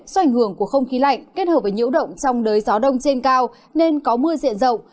do ảnh hưởng của không khí lạnh kết hợp với nhiễu động trong đới gió đông trên cao nên có mưa diện rộng